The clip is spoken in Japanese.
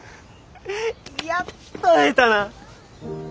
やっと会えたな！